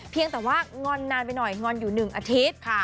เพียงแต่ว่างอนนานไปหน่อยงอนอยู่๑อาทิตย์